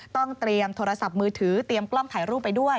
ต้องเตรียมโทรศัพท์มือถือเตรียมกล้องถ่ายรูปไปด้วย